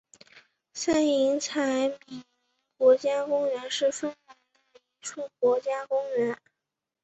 塞伊采米宁国家公园是芬兰的一处国家公园。